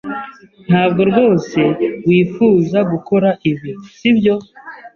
Ntabwo rwose wifuza gukora ibi, sibyo?